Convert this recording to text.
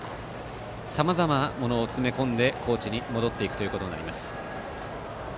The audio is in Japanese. さまざまなものを詰め込んで高知に戻っていくということになります。